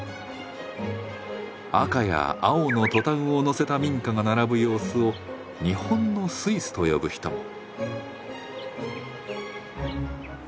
赤や青のトタンをのせた民家が並ぶ様子を「日本のスイス」と呼ぶ人も。